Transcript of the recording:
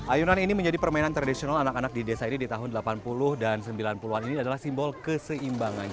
ayunan ini menjadi permainan tradisional anak anak di desa ini di tahun delapan puluh dan sembilan puluh an ini adalah simbol keseimbangan